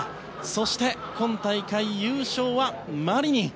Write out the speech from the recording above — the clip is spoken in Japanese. そして、今大会優勝はマリニン。